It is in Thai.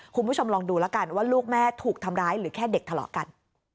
คุณผู้ชมลองดูแล้วกันว่าลูกแม่ถูกทำร้ายหรือแค่เด็กทะเลาะกัน